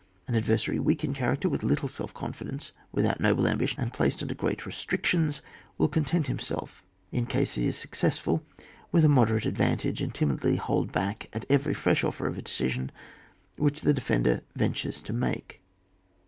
An adversary weak in character, with little self confidence, without noble ambition, placed under great restrictions, will content himself, in case he is suc cessful, with a moderate advantage, and timidly hold back at every fresh offer of a decision which the defender ventures to make.